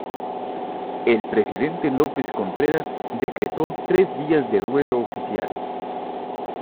El presidente López Contreras decretó tres días de duelo oficial.